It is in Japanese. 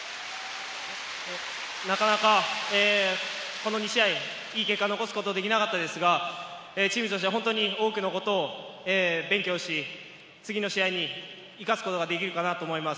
なかなかこの２試合、いい結果を残すことができなかったのですが、チームとしては多くのことを勉強し、次の試合に生かすことができると思います。